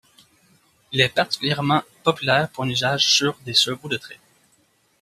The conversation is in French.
Il est particulièrement populaire pour un usage sur des chevaux de trait.